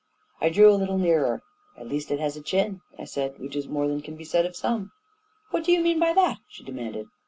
I drew a little nearer. " At least it has a chin," I said ;" which is more than can be said of some." " What do you mean by that? " she demanded.